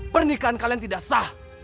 pernikahan kalian tidak sah